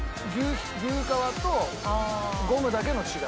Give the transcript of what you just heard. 牛革とゴムだけの違い」